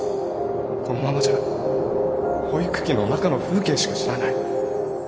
このままじゃ保育器の中の風景しか知らない